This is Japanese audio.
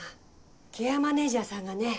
ケアマネジャーさんがね